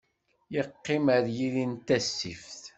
Yeqqim ar yiri n tasift.